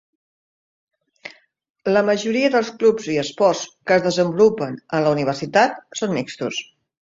La majoria dels clubs i esports que es desenvolupen en la universitat són mixtos.